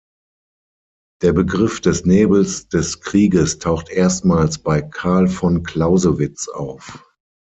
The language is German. Der Begriff des Nebels des Krieges taucht erstmals bei Carl von Clausewitz auf.